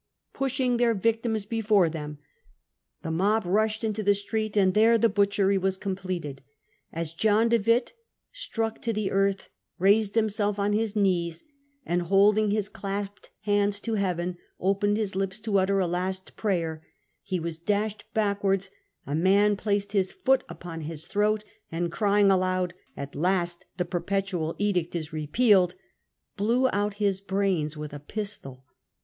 Pushing their victims before them the mob rushed into the street, and there the butchery was completed. As John de Witt, struck to the earth, raised himself on his knees, and, holding his clasped hands to heaven, opened his lips to utter a last prayer, 212 Invasion of the United Provinces, 1672 . he was dashed backwards ; a man placed his foot upon his throat, and crying aloud, i Jf . t last the Perpetual Edict is repealed,' blew out his brains with a pistol.